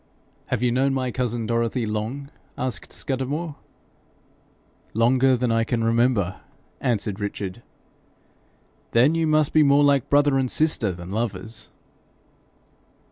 'Have you known my cousin Dorothy long?' asked Scudamore. 'Longer than I can remember,' answered Richard. 'Then you must be more like brother and sister than lovers.'